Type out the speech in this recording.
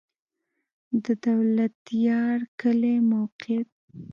د دولتيار کلی موقعیت